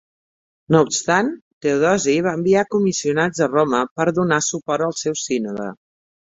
No obstant, Teodosi va enviar comissionats a Roma per donar suport al seu sínode.